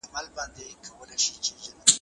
بشري حقونه د نړیوالو قوانینو برخه ده.